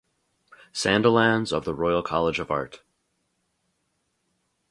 Sandilands of the Royal College of Art.